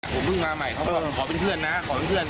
ผมเพิ่งมาใหม่เขาก็บอกขอเป็นเพื่อนนะขอเป็นเพื่อน